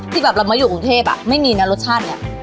แบบเรามาอยู่กรุงเทพไม่มีนะรสชาติเนี่ย